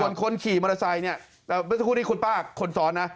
ส่วนคนขี่มอเตอร์ไซค์เนี่ยไม่ว่าจะพูดดิคุณป้าคนสอนนะ